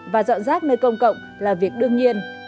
và dọn rác nơi công cộng là việc đương nhiên